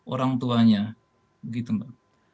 orang tuanya begitu mbak